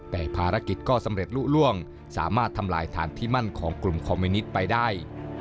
แต่ภารกิจก็สำเร็จลุล่วงสามารถทำลายฐานที่มั่นของกลุ่มคอมมิวนิตไปได้